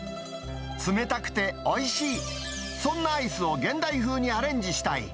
冷たくておいしい、そんなアイスを現代風にアレンジしたい。